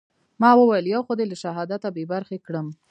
ما وويل يو خو دې له شهادته بې برخې کړم.